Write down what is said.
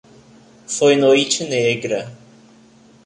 Foi noite negra